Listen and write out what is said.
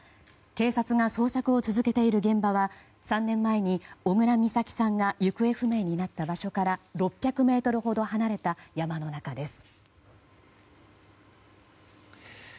警察が捜索を続けている現場は３年前に小倉美咲さんが行方不明になった場所から６００ｍほど離れた山の中です。